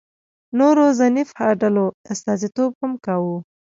نورو ذینفع ډلو استازیتوب هم کاوه.